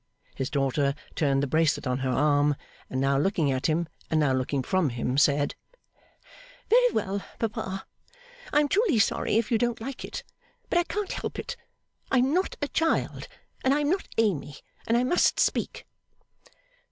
His daughter, turning the bracelet on her arm, and now looking at him, and now looking from him, said, 'Very well, papa. I am truly sorry if you don't like it; but I can't help it. I am not a child, and I am not Amy, and I must speak.